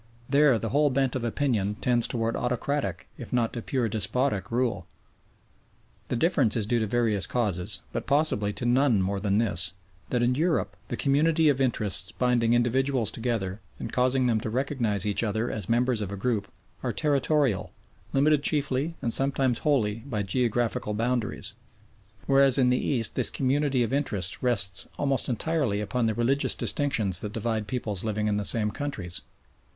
There the whole bent of opinion tends towards autocratic if not to pure despotic rule. The difference is due to various causes, but possibly to none more than this that in Europe the community of interests binding individuals together and causing them to recognise each other as members of a group are territorial, limited chiefly and sometimes wholly by geographical boundaries, whereas in the East this community of interest rests almost entirely upon the religious distinctions that divide peoples living in the same countries.